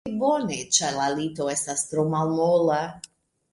Mi ne povas dormi bone, ĉar la lito estas tro malmola.